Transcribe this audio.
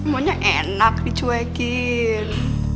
pokoknya enak dicuekin